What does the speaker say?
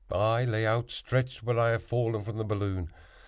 I lay outstretched where I had fallen from the balloon.